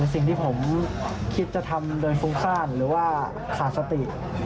สิ่งที่ผมคิดจะทำโดยฟุ้งซ่านหรือว่าขาดสติ